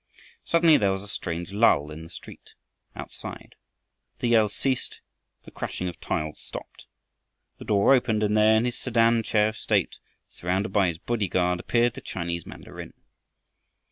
Suddenly there was a strange lull in the street outside. The yells ceased, the crashing of tiles stopped. The door opened, and there in his sedan chair of state surrounded by his bodyguard, appeared the Chinese mandarin.